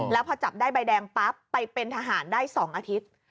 แล้วพอจับได้ใบแดงปั๊บไปเป็นทหารได้๒อาทิตย์